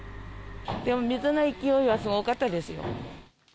水の勢いがすごかったですよ。